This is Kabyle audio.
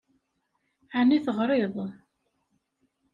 Ɛni teɣṛiḍ?